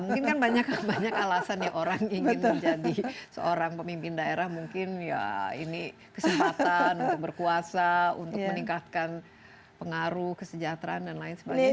mungkin kan banyak alasan ya orang ingin menjadi seorang pemimpin daerah mungkin ya ini kesempatan untuk berkuasa untuk meningkatkan pengaruh kesejahteraan dan lain sebagainya